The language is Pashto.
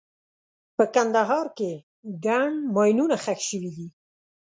په کندهار کې ګڼ ماینونه ښخ شوي دي.